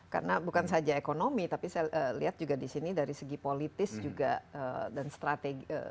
karena bukan saja ekonomi tapi saya lihat juga disini dari segi politis juga dan strategi